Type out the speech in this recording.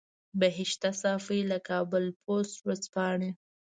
بهشته صافۍ له کابل پوسټ ورځپاڼې.